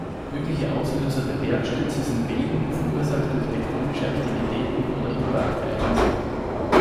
Mögliche Auslöser der Bergstürze sind Beben, verursacht durch tektonische Aktivitäten, oder Impakt-Ereignisse.